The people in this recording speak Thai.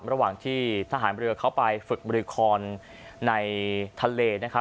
ระหว่างที่ทหารเรือเข้าไปฝึกบริคอนในทะเลนะครับ